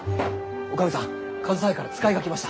女将さん上総屋から使いが来ました。